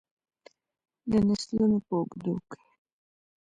د نسلونو په اوږدو کې.